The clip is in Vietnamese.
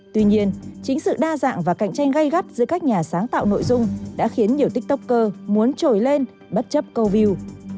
tuy nhiên chính sự đa dạng và cạnh tranh gây gắt giữa các nhà sáng tạo nội dung đã khiến nhiều tiktoker muốn trồi lên bất chấp câu view